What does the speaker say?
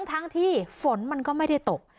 ทั้งที่ฝนมันก็ไม่ได้ตก